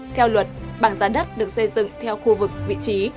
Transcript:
theo luật bảng giá đất được xây dựng theo khu vực vị trí